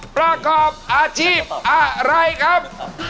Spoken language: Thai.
ประกอบอาชีพอะไรครับ